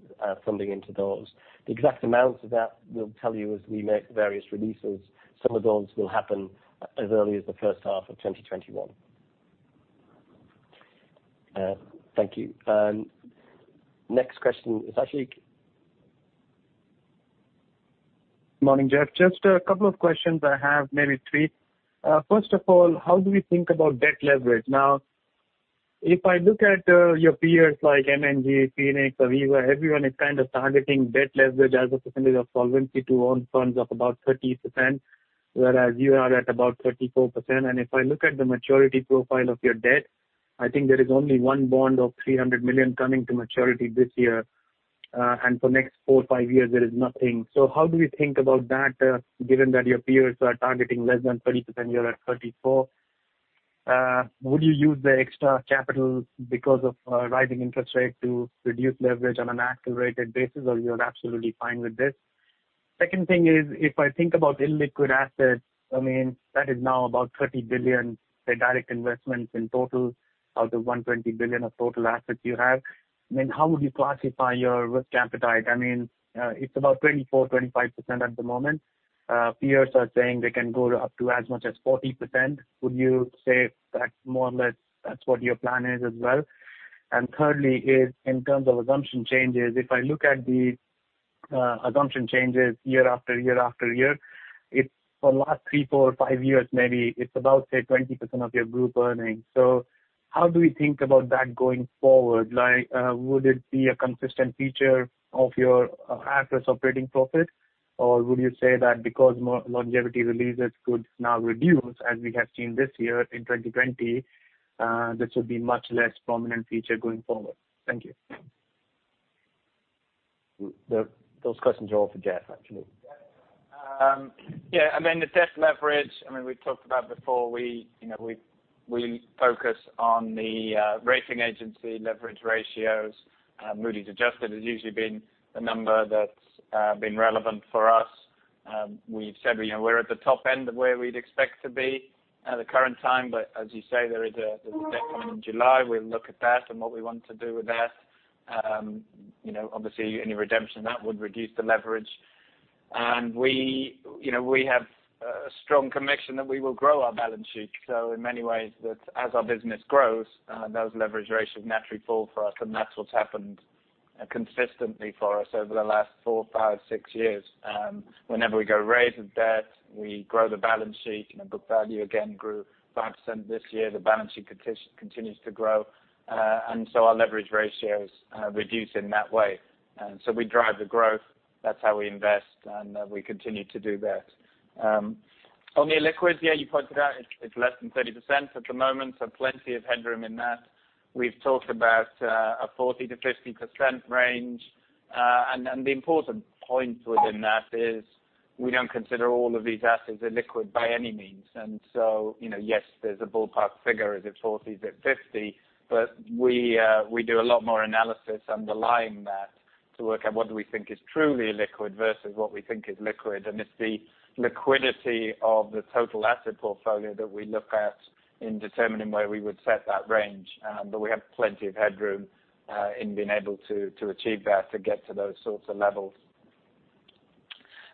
Speaker 2: funding into those. The exact amounts of that we'll tell you as we make various releases. Some of those will happen as early as the first half of 2021. Thank you. Next question is Ashik. Morning, Jeff. Just a couple of questions I have, maybe three. First of all, how do we think about debt leverage? Now, if I look at your peers like M&G, Phoenix, Aviva, everyone is kind of targeting debt leverage as a percentage of solvency to own funds of about 30%, whereas you are at about 34%. And if I look at the maturity profile of your debt, I think there is only one bond of 300 million coming to maturity this year. And for the next four, five years, there is nothing. So how do we think about that given that your peers are targeting less than 30%? You're at 34. Would you use the extra capital because of rising interest rates to reduce leverage on an accelerated basis, or you're absolutely fine with this? Second thing is, if I think about illiquid assets, I mean, that is now about 30 billion direct investments in total out of 120 billion of total assets you have. I mean, how would you classify your risk appetite? I mean, it's about 24, 25% at the moment. Peers are saying they can go up to as much as 40%. Would you say that more or less that's what your plan is as well? And thirdly is, in terms of assumption changes, if I look at the assumption changes year after year after year, for the last three, four, five years, maybe it's about, say, 20% of your group earnings. So how do we think about that going forward? Would it be a consistent feature of your average operating profit, or would you say that because longevity releases could now reduce, as we have seen this year in 2020, this would be a much less prominent feature going forward? Thank you. Those questions are all for Jeff, actually.
Speaker 4: Yeah, I mean, the debt leverage, I mean, we've talked about before. We focus on the rating agency leverage ratios. Moody's Adjusted has usually been the number that's been relevant for us. We've said we're at the top end of where we'd expect to be at the current time. But as you say, there is a debt coming in July. We'll look at that and what we want to do with that. Obviously, any redemption of that would reduce the leverage. And we have a strong conviction that we will grow our balance sheet. So in many ways, as our business grows, those leverage ratios naturally fall for us. And that's what's happened consistently for us over the last four, five, six years. Whenever we go raise a debt, we grow the balance sheet. Book value again grew 5% this year. The balance sheet continues to grow. Our leverage ratios reduce in that way. We drive the growth. That's how we invest. And we continue to do that. On the illiquids, yeah, you pointed out it's less than 30% at the moment. So plenty of headroom in that. We've talked about a 40%-50% range. And the important point within that is we don't consider all of these assets illiquid by any means. And so yes, there's a ballpark figure, is it 40%, is it 50%? But we do a lot more analysis underlying that to work out what do we think is truly illiquid versus what we think is liquid. And it's the liquidity of the total asset portfolio that we look at in determining where we would set that range. But we have plenty of headroom in being able to achieve that to get to those sorts of levels.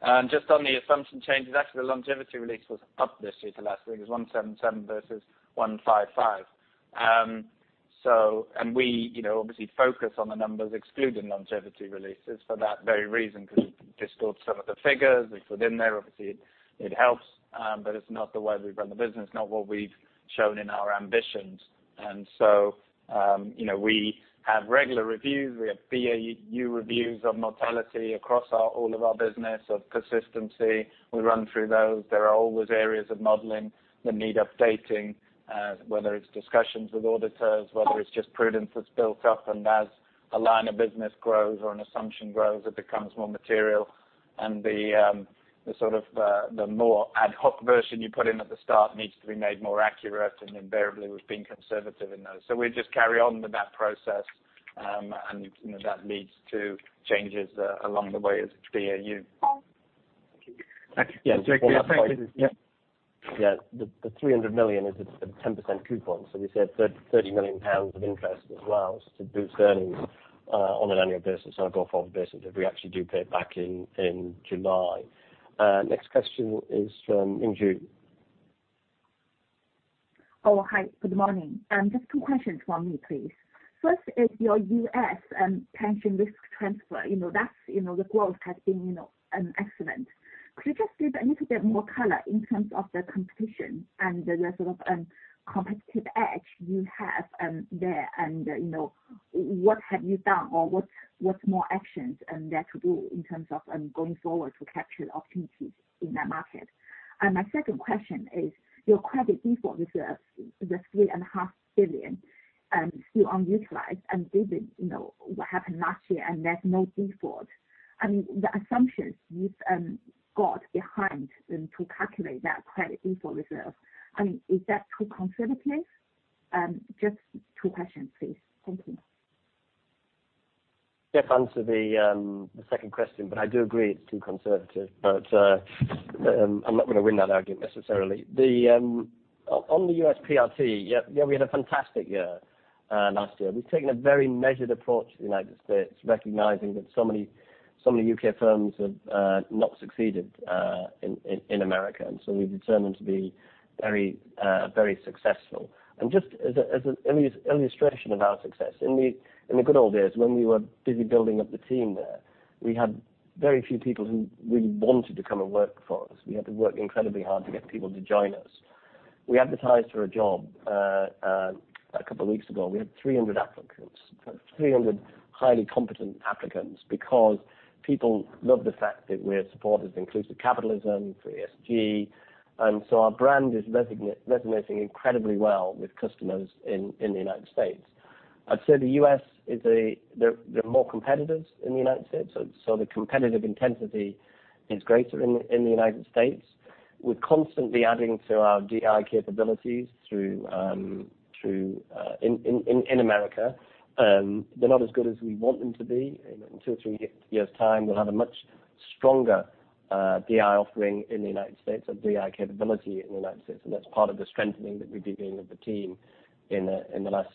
Speaker 4: And just on the assumption changes, actually, the longevity release was up this year to last year because 177 versus 155. And we obviously focus on the numbers excluding longevity releases for that very reason because we distort some of the figures. If we're in there, obviously, it helps. But it's not the way we've run the business, not what we've shown in our ambitions. And so we have regular reviews. We have BAU reviews on mortality across all of our business of consistency. We run through those. There are always areas of modeling that need updating, whether it's discussions with auditors, whether it's just prudence that's built up. And as a line of business grows or an assumption grows, it becomes more material. And the sort of the more ad hoc version you put in at the start needs to be made more accurate. And invariably, we've been conservative in those. So we just carry on with that process. And that leads to changes along the way as BAU. Thank you.
Speaker 2: Yeah, Jeff, do you have questions? Yeah. The 300 million is a 10% coupon. So we said 30 million pounds of interest as well to boost earnings on an annual basis or a go-forward basis if we actually do pay it back in July. Next question is from Ming Zhu.
Speaker 10: Oh, hi. Good morning. Just two questions for me, please. First is your U.S. pension risk transfer. That's the growth has been excellent. Could you just give a little bit more color in terms of the competition and the sort of competitive edge you have there? And what have you done or what's more actions there to do in terms of going forward to capture opportunities in that market? And my second question is your credit default reserves, the 3.5 billion, still unutilized. And given what happened last year and there's no default, I mean, the assumptions you've got behind to calculate that credit default reserve, I mean, is that too conservative? Just two questions, please. Thank you.
Speaker 2: Jeff, answer the second question. But I do agree it's too conservative. But I'm not going to win that argument necessarily. On the U.S. PRT, yeah, we had a fantastic year last year. We've taken a very measured approach to the United States, recognizing that so many U.K. firms have not succeeded in America. And so we've determined to be very, very successful. And just as an illustration of our success, in the good old days, when we were busy building up the team there, we had very few people who really wanted to come and work for us. We had to work incredibly hard to get people to join us. We advertised for a job a couple of weeks ago. We had 300 applicants, 300 highly competent applicants because people love the fact that we're supporters of inclusive capitalism, ESG. And so our brand is resonating incredibly well with customers in the United States. I'd say the U.S. is a there are more competitors in the United States. So the competitive intensity is greater in the United States. We're constantly adding to our DI capabilities in America. They're not as good as we want them to be. In two or three years' time, we'll have a much stronger DI offering in the United States or DI capability in the United States. And that's part of the strengthening that we've been doing with the team in the last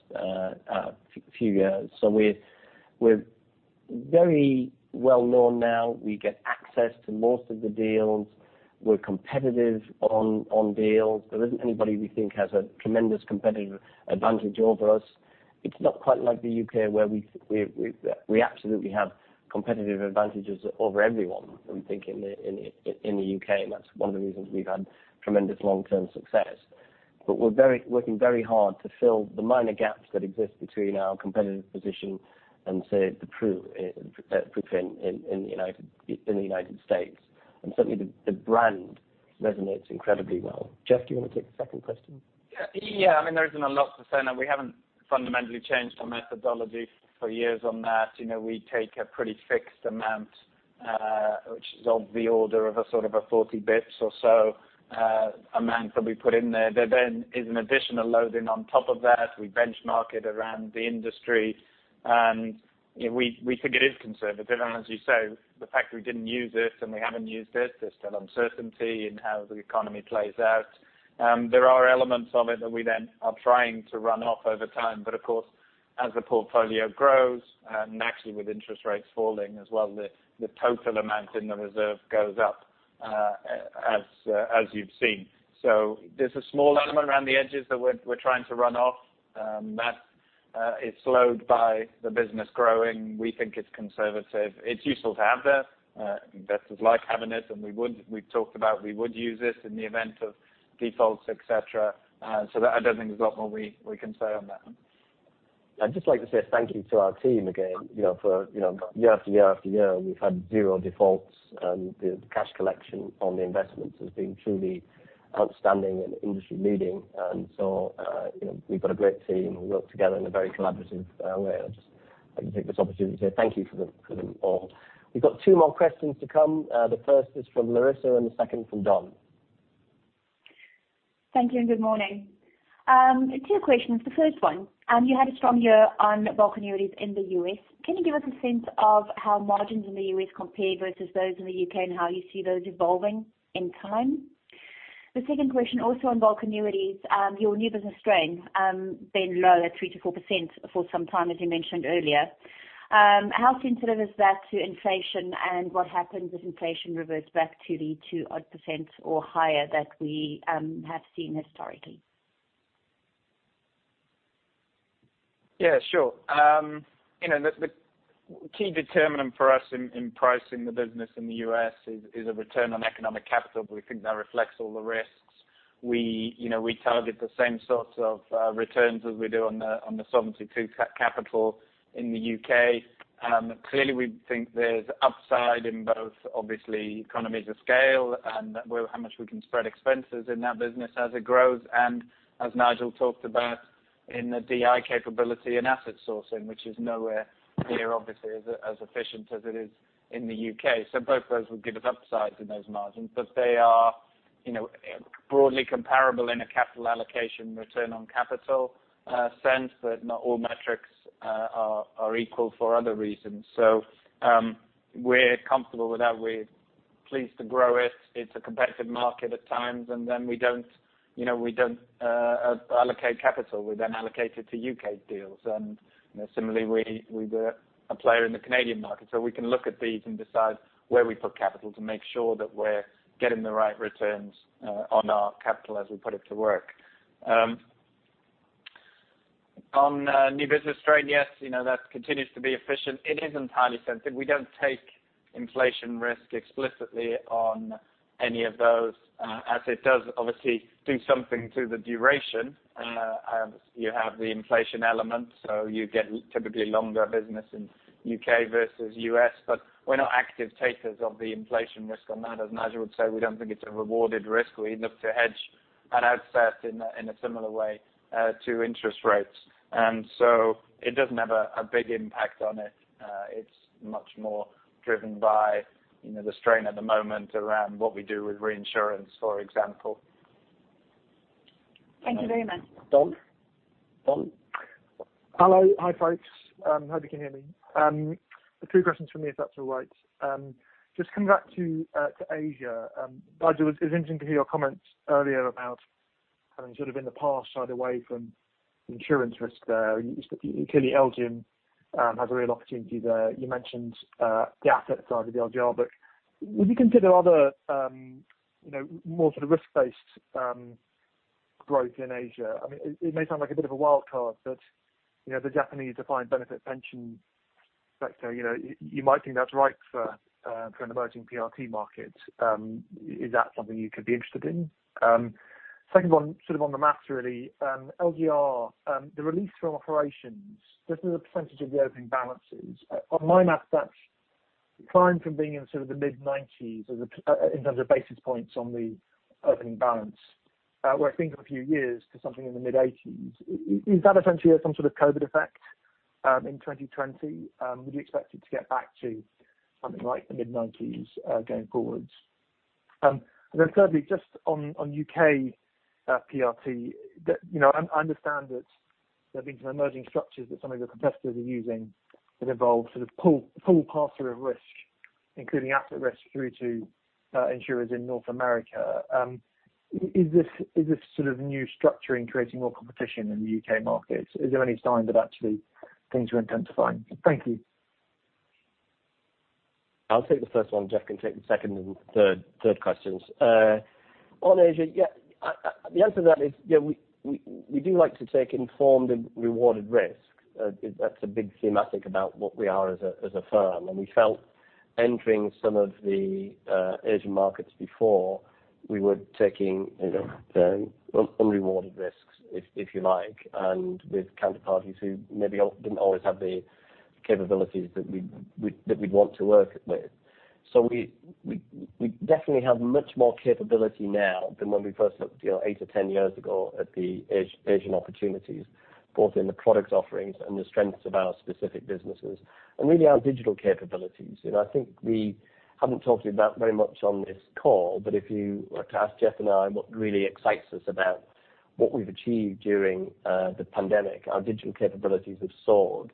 Speaker 2: few years. So we're very well known now. We get access to most of the deals. We're competitive on deals. There isn't anybody we think has a tremendous competitive advantage over us. It's not quite like the U.K. where we absolutely have competitive advantages over everyone that we think in the U.K.. That's one of the reasons we've had tremendous long-term success. We're working very hard to fill the minor gaps that exist between our competitive position and, say, the prefin in the United States. Certainly, the brand resonates incredibly well. Jeff, do you want to take the second question?
Speaker 4: Yeah. I mean, there isn't a lot to say. Now, we haven't fundamentally changed our methodology for years on that. We take a pretty fixed amount, which is of the order of a sort of a 40 bps or so, amount that we put in there. There then is an additional load in on top of that. We benchmark it around the industry. We think it is conservative. As you say, the fact we didn't use it and we haven't used it, there's still uncertainty in how the economy plays out. There are elements of it that we then are trying to run off over time. Of course, as the portfolio grows, naturally, with interest rates falling as well, the total amount in the reserve goes up as you've seen. There's a small element around the edges that we're trying to run off. That is slowed by the business growing. We think it's conservative. It's useful to have there. Investors like having it. We've talked about we would use it in the event of defaults, etc. So I don't think there's a lot more we can say on that.
Speaker 1: I'd just like to say thank you to our team again for year after year after year. We've had zero defaults. The cash collection on the investments has been truly outstanding and industry-leading. And so we've got a great team. We work together in a very collaborative way. I just like to take this opportunity to say thank you for them all. We've got two more questions to come. The first is from Larissa and the second from Don.
Speaker 11: Thank you and good morning. Two questions. The first one, you had a strong year on bulk annuities in the U.S. Can you give us a sense of how margins in the U.S. compare versus those in the U.K. and how you see those evolving in time? The second question, also on bulk annuities, your new business strain being low at 3%-4% for some time, as you mentioned earlier. How sensitive is that to inflation and what happens if inflation reverts back to the two odd percent or higher that we have seen historically?
Speaker 4: Yeah, sure. The key determinant for us in pricing the business in the U.S. is a return on economic capital. We think that reflects all the risks. We target the same sorts of returns as we do on the solvency two capital in the U.K. Clearly, we think there's upside in both, obviously, economies of scale and how much we can spread expenses in that business as it grows. As Nigel talked about in the DI capability and asset sourcing, which is nowhere near, obviously, as efficient as it is in the U.K. So both of those would give us upsides in those margins. But they are broadly comparable in a capital allocation return on capital sense, but not all metrics are equal for other reasons. So we're comfortable with that. We're pleased to grow it. It's a competitive market at times. Then we don't allocate capital. We then allocate it to U.K. deals. And similarly, we're a player in the Canadian market. So we can look at these and decide where we put capital to make sure that we're getting the right returns on our capital as we put it to work. On new business strain, yes, that continues to be efficient. It is entirely sensitive. We don't take inflation risk explicitly on any of those, as it does, obviously, do something to the duration. You have the inflation element. So you get typically longer business in U.K. versus U.S. But we're not active takers of the inflation risk on that. As Nigel would say, we don't think it's a rewarded risk. We look to hedge at outset in a similar way to interest rates. And so it doesn't have a big impact on it. It's much more driven by the strain at the moment around what we do with reinsurance, for example.
Speaker 11: Thank you very much.
Speaker 2: Dom? Dom?
Speaker 12: Hello. Hi, folks. Hope you can hear me. Two questions from me, if that's all right. Just coming back to Asia. Nigel, it was interesting to hear your comments earlier about having sort of in the past shied away from insurance risk there. Clearly, LGIM has a real opportunity there. You mentioned the asset side of the LGR book. Would you consider other more sort of risk-based growth in Asia? I mean, it may sound like a bit of a wild card, but the Japanese defined benefit pension sector, you might think that's ripe for an emerging PRT market. Is that something you could be interested in? Second one, sort of on the math, really, LGR, the release from operations, just as a percentage of the opening balances. On my math, that's climbed from being in sort of the mid-90s in terms of basis points on the opening balance, whereas things were a few years to something in the mid-80s. Is that essentially some sort of COVID effect in 2020? Would you expect it to get back to something like the mid-90s going forward? And then thirdly, just on U.K. PRT, I understand that there have been some emerging structures that some of your competitors are using that involve sort of full pass-through of risk, including asset risk through to insurers in North America. Is this sort of new structure creating more competition in the U.K. markets? Is there any sign that actually things are intensifying? Thank you.
Speaker 2: I'll take the first one. Jeff can take the second and third questions. On Asia, yeah, the answer to that is, yeah, we do like to take informed and rewarded risk. That's a big thematic about what we are as a firm. And we felt entering some of the Asian markets before, we were taking unrewarded risks, if you like, and with counterparties who maybe didn't always have the capabilities that we'd want to work with. So we definitely have much more capability now than when we first looked eight or 10 years ago at the Asian opportunities, both in the product offerings and the strengths of our specific businesses, and really our digital capabilities. And I think we haven't talked about very much on this call. But if you were to ask Jeff and I what really excites us about what we've achieved during the pandemic, our digital capabilities have soared.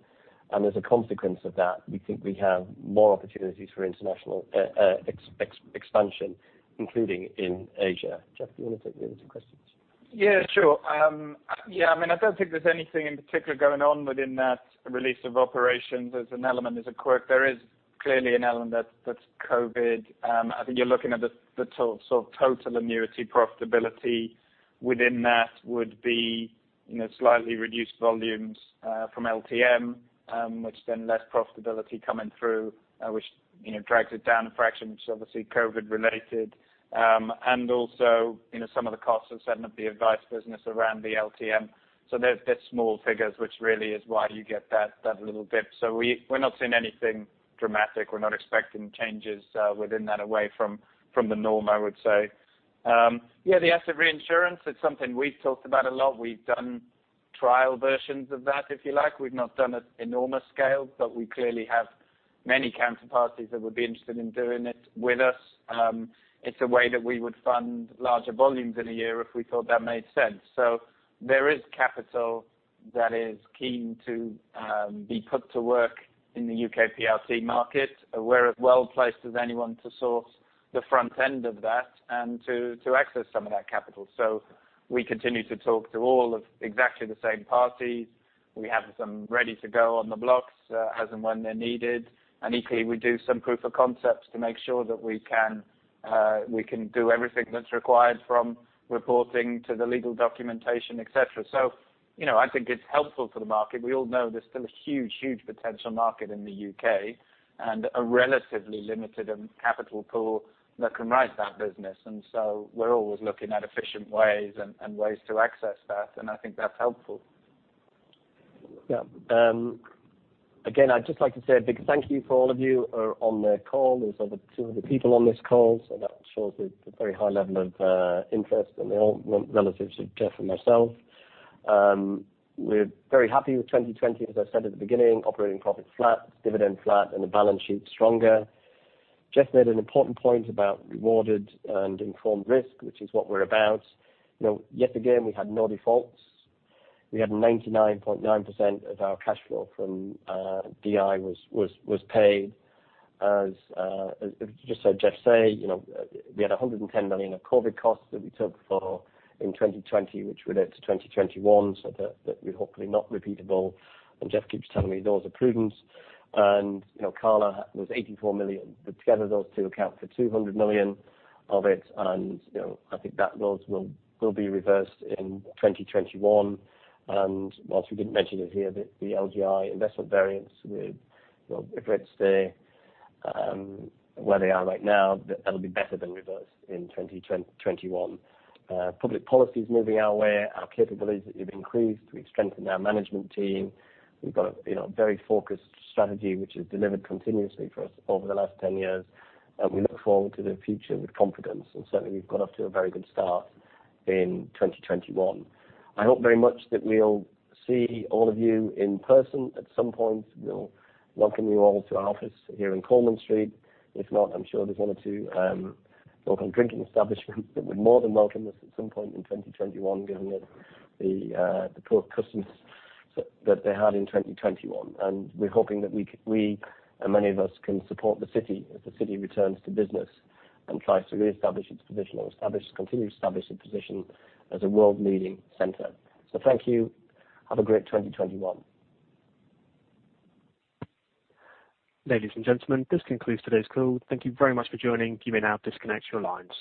Speaker 2: And as a consequence of that, we think we have more opportunities for international expansion, including in Asia. Jeff, do you want to take the other two questions?
Speaker 4: Yeah, sure. Yeah, I mean, I don't think there's anything in particular going on within that release of operations as an element as a quirk. There is clearly an element that's COVID. I think you're looking at the sort of total annuity profitability within that would be slightly reduced volumes from LTM, which then less profitability coming through, which drags it down a fraction, which is obviously COVID-related. And also some of the costs of setting up the advice business around the LTM. So they're small figures, which really is why you get that little dip. So we're not seeing anything dramatic. We're not expecting changes within that away from the norm, I would say. Yeah, the asset reinsurance, it's something we've talked about a lot. We've done trial versions of that, if you like. We've not done it enormous scale, but we clearly have many counterparties that would be interested in doing it with us. It's a way that we would fund larger volumes in a year if we thought that made sense. So there is capital that is keen to be put to work in the U.K. PRT market. We're as well placed as anyone to source the front end of that and to access some of that capital. So we continue to talk to all of exactly the same parties. We have some ready to go on the blocks as and when they're needed. And equally, we do some proof of concepts to make sure that we can do everything that's required from reporting to the legal documentation, etc. So I think it's helpful for the market. We all know there's still a huge, huge potential market in the U.K. and a relatively limited capital pool that can write that business. And so we're always looking at efficient ways and ways to access that. And I think that's helpful.
Speaker 2: Yeah. Again, I'd just like to say a big thank you for all of you on the call. There's over 200 people on this call. So that shows the very high level of interest in the relatives of Jeff and myself. We're very happy with 2020, as I said at the beginning, operating profit flat, dividend flat, and the balance sheet stronger. Jeff made an important point about rewarded and informed risk, which is what we're about. Yet again, we had no defaults. We had 99.9% of our cash flow from DI was paid. As just said Jeff, say, we had 110 million of COVID costs that we took for in 2020, which relates to 2021, so that we're hopefully not repeatable. And Jeff keeps telling me laws of prudence. And CALA was 84 million. But together, those two account for 200 million of it. And I think that laws will be reversed in 2021. And whilst we didn't mention it here, the LGI investment variance, if it's where they are right now, that'll be better than reversed in 2021. Public policy is moving our way. Our capabilities have increased. We've strengthened our management team. We've got a very focused strategy, which has delivered continuously for us over the last 10 years. And we look forward to the future with confidence. And certainly, we've got off to a very good start in 2021. I hope very much that we'll see all of you in person at some point. We'll welcome you all to our office here in Coleman Street. If not, I'm sure there's one or two local drinking establishments that would more than welcome us at some point in 2021, given the poor customs that they had in 2021. And we're hoping that we and many of us can support the city as the city returns to business and tries to reestablish its position or continue to establish its position as a world-leading center. So thank you. Have a great 2021. Ladies and gentlemen, this concludes today's call. Thank you very much for joining. You may now disconnect your lines.